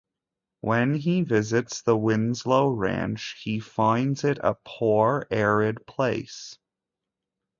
When he visits the Winslow ranch, he finds it a poor, arid place.